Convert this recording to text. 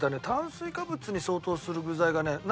炭水化物に相当する具材がね